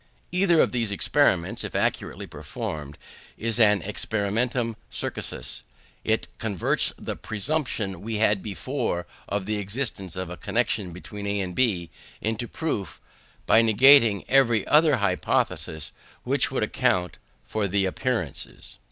Either of these experiments, if accurately performed, is an experimentum crucis; it converts the presumption we had before of the existence of a connection between A and B into proof, by negativing every other hypothesis which would account for the appearances.